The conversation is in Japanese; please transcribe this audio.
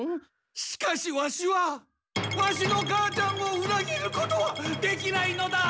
しかしワシはワシの母ちゃんをうらぎることはできないのだ！